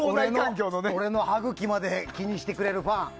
俺の歯茎まで気にしてくれるファン。